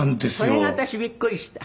それが私びっくりした。